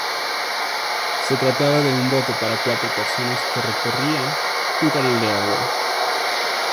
Se trataba de un bote para cuatro personas que recorría un canal de agua.